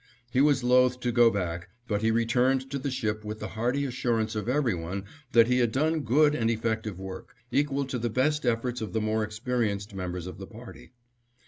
He was loath to go back, but he returned to the ship with the hearty assurance of every one that he had done good and effective work, equal to the best efforts of the more experienced members of the party.